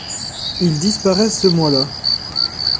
Il disparaît ce mois-là.